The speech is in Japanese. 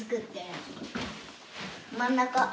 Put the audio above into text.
真ん中。